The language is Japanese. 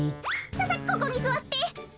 ささっここにすわって。